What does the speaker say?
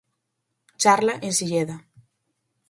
Charla en Silleda.